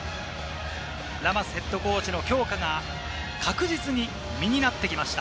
ラマスヘッドコーチの強化が確実に身になってきました。